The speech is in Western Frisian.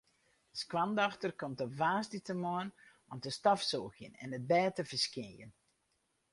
De skoandochter komt op woansdeitemoarn om te stofsûgjen en it bêd te ferskjinjen.